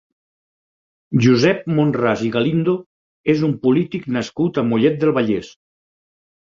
Josep Monràs i Galindo és un polític nascut a Mollet del Vallès.